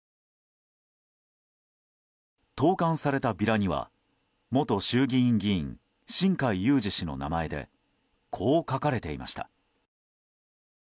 投函されたビラには元衆議院議員新開裕司氏の名前でこう書かれていました。